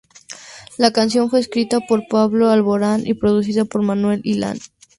La canción fue escrita por Pablo Alborán y producido por Manuel Illán.